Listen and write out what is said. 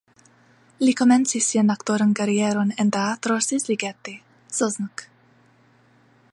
Li komencis sian aktoran karieron en Teatro Szigligeti (Szolnok).